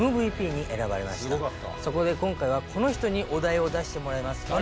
そこで今回はこの人にお題を出してもらいます。